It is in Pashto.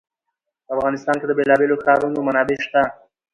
په افغانستان کې د بېلابېلو ښارونو منابع شته.